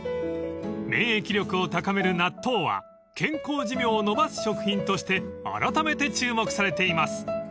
［免疫力を高める納豆は健康寿命を延ばす食品としてあらためて注目されています］